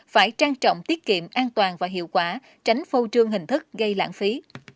phải trang trọng tiết kiệm an toàn và hiệu quả tránh phô trương hình thức gây lãng phí